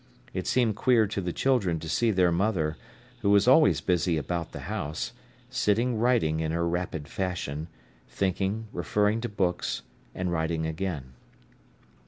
It seemed queer to the children to see their mother, who was always busy about the house, sitting writing in her rapid fashion, thinking, referring to books, and writing again.